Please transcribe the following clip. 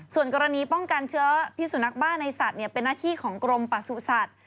ส่วนกรณีป้องกันเชื้อพิสุนักบ้าในสัตว์เป็นหน้าที่ของกรมประสุทธิ์